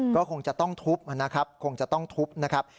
ก็คงจะต้องทุบนะครับคงจะต้องทุบนะครับ